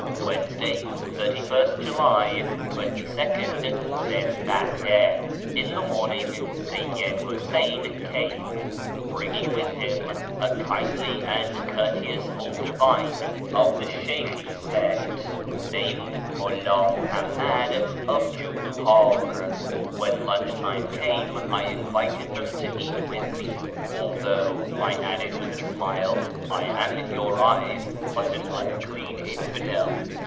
Wednesday, ?>lst July, 22nd Zi'l Kitda. — In the morning Seyyid Huseyn came, bringing with him a kindly and 'ourteous old divine of the Sheykhi sect, named Mulla Muhammad of Jiipar. Wlien lunch time came I invited them 0 eat with me, " although," I added with a smile, " I am in 'our eyes but an unclean infidel."